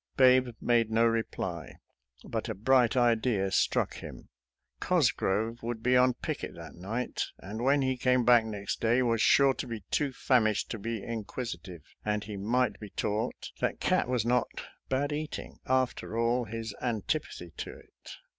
Babe made no reply, but a bright idea struck him; Cosgrove would be on picket that night, and when he came back next day was sure to be too famished to be inquisitive, and he might be taught that cat was not bad eating, after all his antipathy to it.